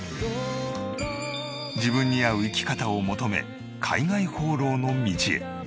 自分に合う生き方を求め海外放浪の道へ。